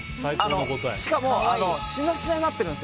しかもしなしなになってるんです